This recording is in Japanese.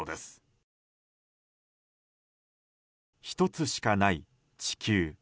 １つしかない地球。